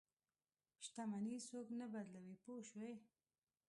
شتمني څوک نه بدلوي پوه شوې!.